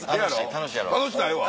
楽しないわ！